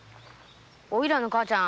おいらの母ちゃん